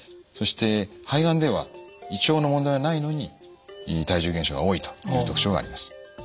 そして肺がんでは胃腸の問題はないのに体重減少が多いという特徴があります。